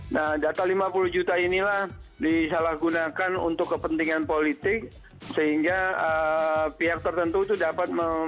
nah data lima puluh juta inilah disalahgunakan untuk kepentingan politik sehingga pihak tertentu itu dapat